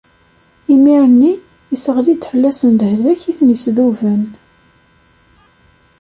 Imir-nni, isseɣli-d fell-asen lehlak i ten-isduben.